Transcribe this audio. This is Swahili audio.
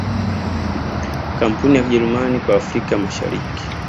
Kampuni ya Kijerumani kwa Afrika ya Mashariki